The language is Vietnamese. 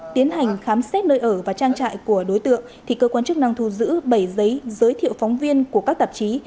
tiến hành khám xét nơi ở và trang trại của đối tượng thì cơ quan chức năng thu giữ bảy giấy giới thiệu phóng viên của các tạp chí